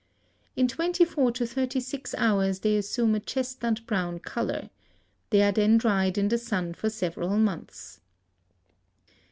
In twenty four to thirty six hours they assume a chestnut brown color. They are then dried in the sun for several months.